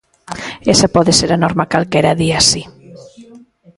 Esa pode ser a norma calquera día, si.